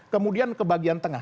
kemudian ke bagian tengah